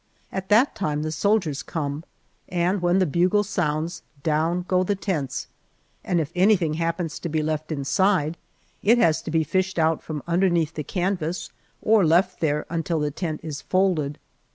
At that time the soldiers come, and, when the bugle sounds, down go the tents, and if anything happens to be left inside, it has to be fished out from underneath the canvas or left there until the tent is folded.